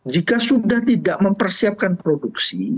jika sudah tidak mempersiapkan produksi